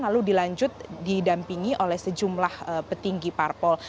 lalu dilanjut didampingi oleh sejumlah petinggi parpol